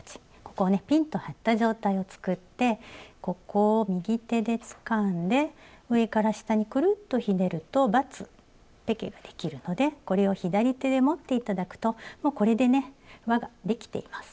ここをねピンと張った状態を作ってここを右手でつかんで上から下にクルッとひねるとバツペケができるのでこれを左手で持って頂くともうこれでねわができています。